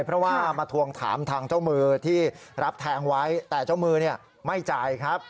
เพราะว่ามาทวงถามทางเจ้ามือที่รับแทงไว้แต่เจ้ามือไม่จ่ายครับ